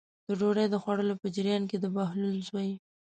د ډوډۍ د خوړلو په جریان کې د بهلول زوی.